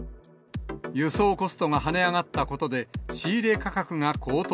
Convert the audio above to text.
輸送コストが跳ね上がったことで、仕入れ価格が高騰。